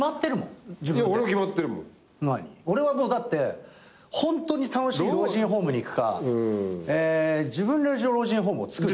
俺はホントに楽しい老人ホームに行くか自分の老人ホームをつくるか。